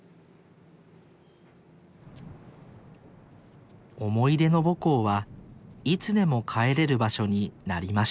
思い出の母校はいつでも帰れる場所になりました